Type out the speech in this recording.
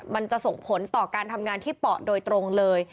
มันจะส่งผลต่อการทำงานที่เปาะโดยตรงเลย